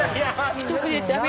一口食べ。